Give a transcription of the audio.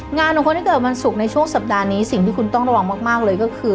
งานของคนที่เกิดวันศุกร์ในช่วงสัปดาห์นี้สิ่งที่คุณต้องระวังมากเลยก็คือ